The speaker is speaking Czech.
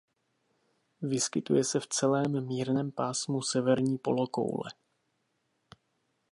Vyskytuje se v celém mírném pásmu severní polokoule.